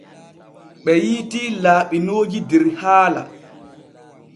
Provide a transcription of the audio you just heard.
Ɓe yiitii laaɓinooji der haala.